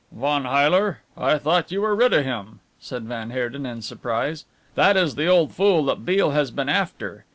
"Von Heyler? I thought you were rid of him?" said van Heerden in surprise, "that is the old fool that Beale has been after.